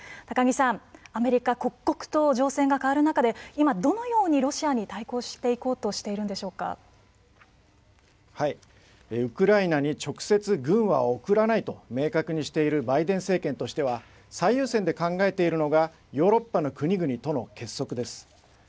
高木さん、アメリカ刻々と情勢が変わる中で今、どのようにロシアに対抗していこうとウクライナに直接、軍は送らないと明確にしているバイデン政権としては最優先で考えているのがヨーロッパの国々との結束です。